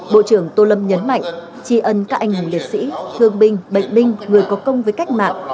bộ trưởng tô lâm nhấn mạnh tri ân các anh hùng liệt sĩ thương binh bệnh binh người có công với cách mạng